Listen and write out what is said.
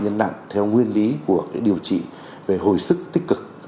nhân nặng theo nguyên lý của cái điều trị về hồi sức tích cực